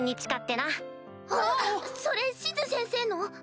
それシズ先生の？